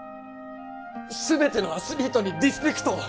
「すべてのアスリートにリスペクトを」